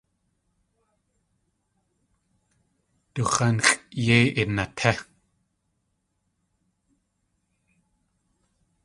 Du x̲ánxʼ yéi inatí!